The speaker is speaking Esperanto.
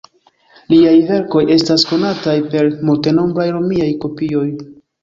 Liaj verkoj estas konataj per multenombraj romiaj kopioj.